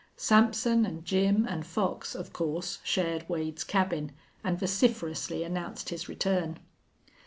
Sampson and Jim and Fox, of course, shared Wade's cabin, and vociferously announced his return.